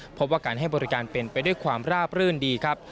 เพราะว่าการให้บริการเป็นไปด้วยความราบรื่นดีครับ